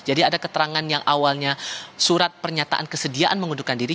jadi ada keterangan yang awalnya surat pernyataan kesediaan mengundurkan diri